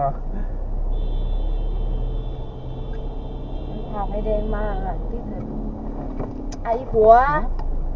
แม่พวกไอ้เดรนมาแล้วพี่เสมอ